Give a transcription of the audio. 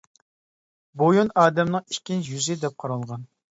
بويۇن ئادەمنىڭ ئىككىنچى يۈزى دەپ قارالغان.